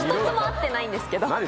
１つも合ってないんですけど。